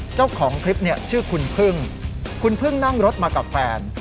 เจ้าของคลิปชื่อคุณผึ้งคุณผึ้งนั่งรถมากับแฟน